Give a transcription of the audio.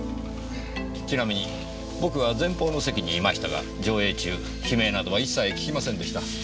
ちなみに僕は前方の席にいましたが上映中悲鳴などは一切聞きませんでした。